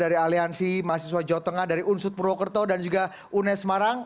kalian lihat saya memungkinkannya di masjid jateng